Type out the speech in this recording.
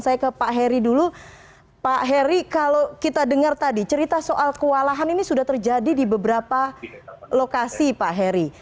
saya ke pak heri dulu pak heri kalau kita dengar tadi cerita soal kewalahan ini sudah terjadi di beberapa lokasi pak heri